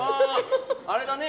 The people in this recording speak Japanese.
あれだね。